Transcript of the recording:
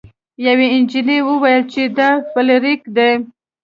یوې جینۍ وویل چې دا فلیریک دی.